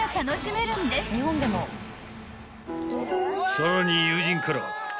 ［さらに友人から］